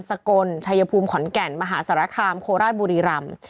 สกลชัยภูมิขอนแก่นมหาสารคามโคราชบุรีรำ